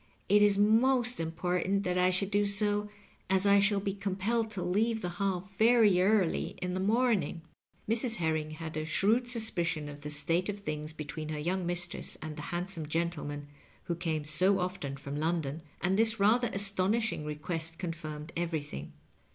It is most important that I shonld do so, as I shiall be com pelled to leave the Hall very early in the morning." Mrs. Herring had a shrewd suspicion of the state of things between her young mistress and the handsome gentleman who came so often from London, and this rather astonishing reqaest confirmed everything.